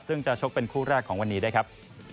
ซึ่งจะชกเป็นคู่แรกของวันนี้ด้วยครับ